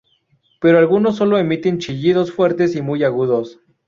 Pero algunos solo emiten chillidos fuertes y muy agudos.